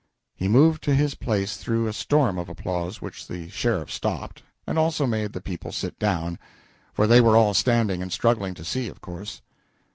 He moved to his place through a storm of applause which the sheriff stopped, and also made the people sit down, for they were all standing and struggling to see, of course.